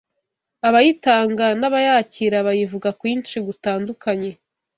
abayitanga n’abayakira bayivuga kwinshi gutandukanye